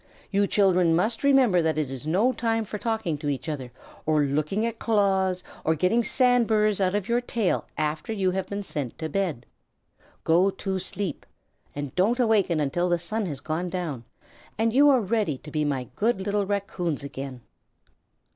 You children must remember that it is no time for talking to each other, or looking at claws, or getting sand burrs out of your tails after you have been sent to bed. Go to sleep, and don't awaken until the sun has gone down and you are ready to be my good little Raccoons again."